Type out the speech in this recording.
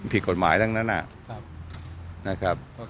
ผิดกฎหมายทั้งนั้นน่ะ